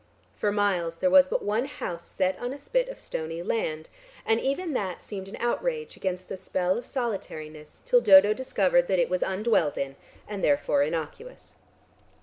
For miles there was but one house set on a spit of stony land, and even that seemed an outrage against the spell of solitariness till Dodo discovered that it was undwelled in, and therefore innocuous.